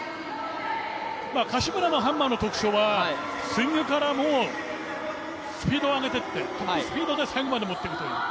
柏村のハンマーの特徴はスイングからスピードを上げてってトップスピードで最後まで持っていくという。